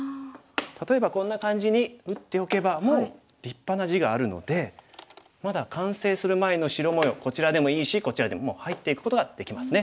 例えばこんな感じに打っておけばもう立派な地があるのでまだ完成する前のこちらでもいいしこちらでももう入っていくことができますね。